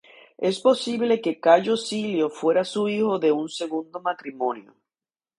Es posible que Cayo Silio fuera su hijo de un segundo matrimonio.